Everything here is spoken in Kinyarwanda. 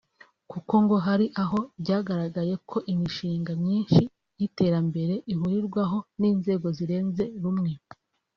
kuko ngo hari aho byagaragaye ko imishinga myinshi y’iterambere ihurirwaho n’inzego zirenze rumwe